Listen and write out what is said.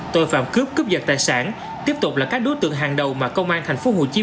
tội phạm cướp cướp giật tài sản tiếp tục là các đối tượng hàng đầu mà công an thành phố hồ chí